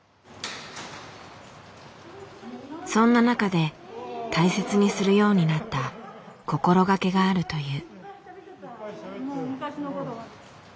そんな中で大切にするようになった心掛けがあるという。